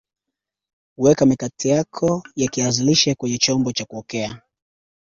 Weka mikate yako ya kiazi lishe kwenye chombo cha kuokea